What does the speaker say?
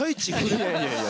いやいやいや。